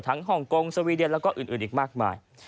ทั้งห่องกงสเวียดียันแล้วก็อื่นอีกมากมาย